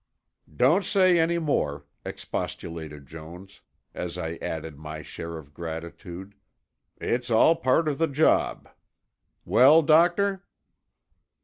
"Don't say any more," expostulated Jones, as I added my share of gratitude. "It's all part of the job. Well, doctor?"